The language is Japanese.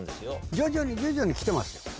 徐々に徐々にきてますよ。